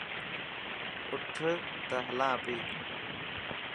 اوٺ ته هلان اپي.